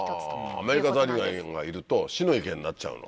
アメリカザリガニがいると死の池になっちゃうの？